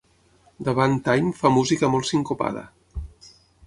Davant “time” fa música molt sincopada.